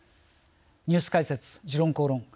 ニュース解説「時論公論」